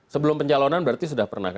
sebelum pencalonan berarti sudah pernah